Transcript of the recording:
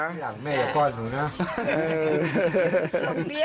หลังแม่ป้อนหนูนะ